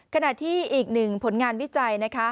ขณะที่อีกหนึ่งผลงานวิจัยนะคะ